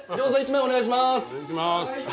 お願いします。